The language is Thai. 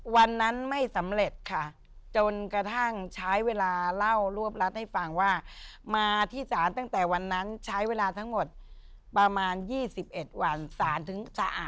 วันนั้นไม่สำเร็จค่ะจนกระทั่งใช้เวลาเล่ารวบรัดให้ฟังว่ามาที่ศาลตั้งแต่วันนั้นใช้เวลาทั้งหมดประมาณ๒๑วันสารถึงสะอาด